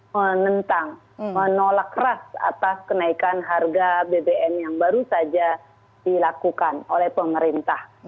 menentang menolak keras atas kenaikan harga bbm yang baru saja dilakukan oleh pemerintah